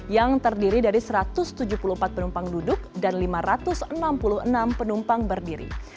yang terdiri dari satu ratus tujuh puluh empat penumpang duduk dan lima ratus enam puluh enam penumpang berdiri